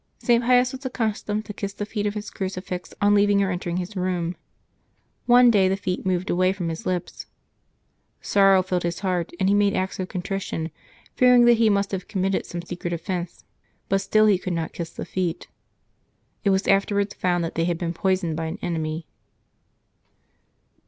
St. Pius was accustomed to kiss the feet of his crucifix on leaving or entering his room. One day the feet moved away from his lips. Sorrow filled his heart, and he made acts of contrition, fearing that he must have committed some secret offence, but still he could not kiss the feet. It w^as afterwards found that they had been poisoned by an enemy.